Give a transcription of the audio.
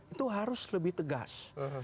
itu harus lebih tegas